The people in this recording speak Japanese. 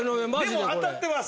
でも当たってます。